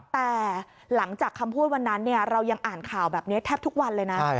แต่หลังจากคำพูดวันนั้นเรายังอ่านข่าวแบบนี้แทบทุกวันเลยนะ